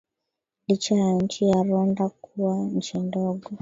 licha ya nchi ya rwanda kuwa nchi ndogo